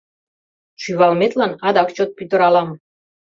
Шӱвалметлан адак чот пӱтыралам.